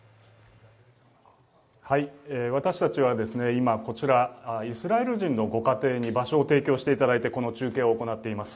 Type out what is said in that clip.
私たちは今、こちらイスラエル軍のご家庭に場所を提供していただいてこの中継を行っています。